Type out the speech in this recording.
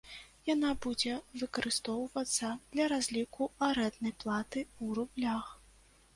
Яна будзе выкарыстоўвацца для разліку арэнднай платы ў рублях.